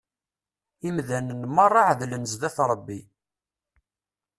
Imdanen merra εedlen zzat Rebbi.